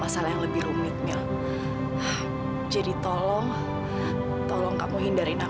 kenapa rosie gue kemarin berputar periksa